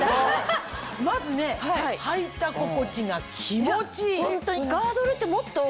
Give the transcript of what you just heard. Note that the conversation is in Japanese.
まずねはいた心地が気持ちいい！